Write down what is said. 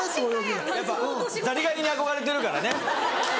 やっぱザリガニに憧れてるからね。